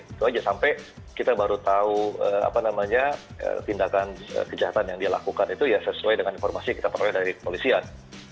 itu aja sampai kita baru tahu apa namanya tindakan kejahatan yang dia lakukan itu ya sesuai dengan informasi yang kita peroleh dari kepolisian